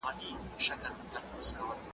رښتیا تل بریالي کېږي.